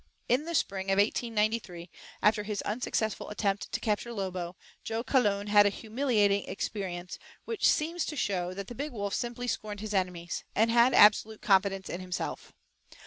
In the spring of 1893, after his unsuccessful attempt to capture Lobo, Joe Calone had a humiliating experience, which seems to show that the big wolf simply scorned his enemies, and had absolute confidence in himself.